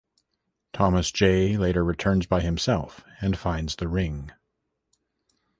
Thomas J. later returns by himself and finds the ring.